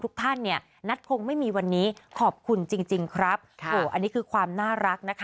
ทุกท่านเนี่ยนัทพงศ์ไม่มีวันนี้ขอบคุณจริงจริงครับโหอันนี้คือความน่ารักนะคะ